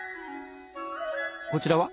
こちらは？